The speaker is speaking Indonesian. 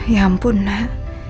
ya ampun nak